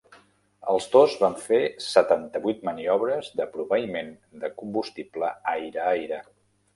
Els dos van fer setanta-vuit maniobres de proveïment de combustible aire-aire.